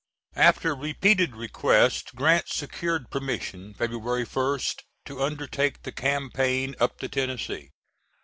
[After repeated requests Grant secured permission, February 1st, to undertake the campaign up the Tennessee.